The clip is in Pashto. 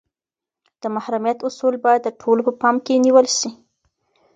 د محرمیت اصول باید د ټولو په پام کي نیول سي.